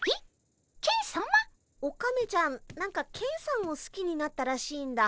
オカメちゃん何かケンさんをすきになったらしいんだ。